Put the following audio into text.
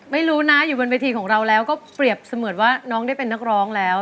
ไม่รู้นะอยู่บนเวทีของเราแล้วก็เปรียบเสมือนว่าน้องได้เป็นนักร้องแล้ว